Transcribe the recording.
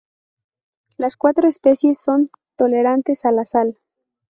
Las cuatro especies son tolerantes a la sal.